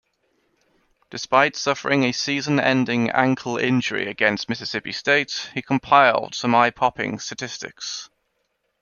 Despite suffering a season-ending ankle injury against Mississippi State, he compiled some eye-popping statistics.